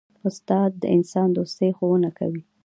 استاد د انسان دوستي ښوونه کوي.